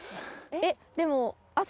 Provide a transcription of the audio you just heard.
えっでも。